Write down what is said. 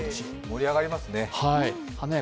盛り上がりますね。